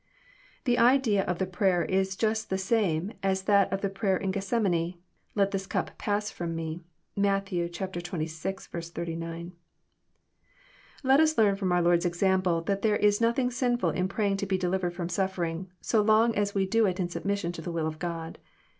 The idea of the prayer is just the same as that of the prayer in Gethsemane, —Let this cup pass fl*om me. (Matt. xxvi. 39.) Let us learn fh>m our Lord's example that there is nothing sinftil in praying to be delivered Arom suflierlng, so long as we do it in submission to the will of God.